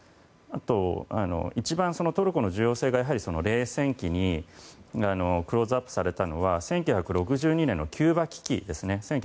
あと、一番トルコの受容性が冷戦期にクローズアップされたのは１９６２年のキューバ危機です。